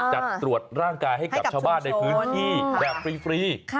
จัดตรวจร่างกายให้กับชาวบ้านในพื้นที่แบบฟรี